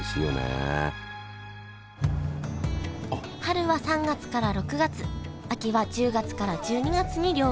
春は３月から６月秋は１０月から１２月に漁が行われます。